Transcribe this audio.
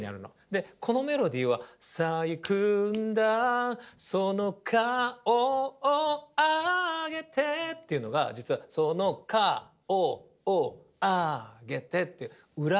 でこのメロディーは「さあ行くんだその顔をあげて」っていうのが実は「その顔をあげて」って裏のビートに乗ってんの。